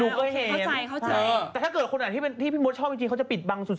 ดูก็เห็นแต่ถ้าเกิดคนที่พี่มดชอบจริงเขาจะปิดบังสุด